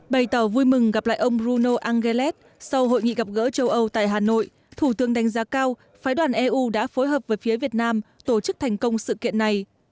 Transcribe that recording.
bày tỏ vui mừng gặp lại ông bruno angeles sau hội nghị gặp gỡ châu âu tại hà nội thủ tướng đánh giá cao phái đoàn eu đã phối hợp với phía việt nam tổ chức thành công sự kiện này